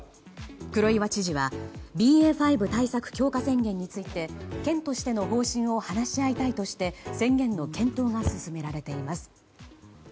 黒岩知事はＢＡ．５対策強化宣言について県としての方針を話し合いたいとして宣言の検討が進められています。